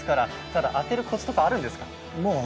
ただ、当てるコツとかあるんですか？